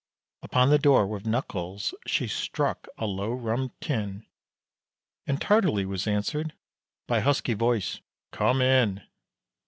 Upon the door with knuckle she struck a low rum tin, And tardily was answered by husky voice "Come in."